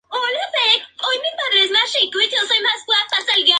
Iglesia parroquial de la Asunción de Nuestra Señora